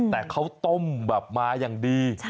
แต่เขาต้มแบบมาอย่างดี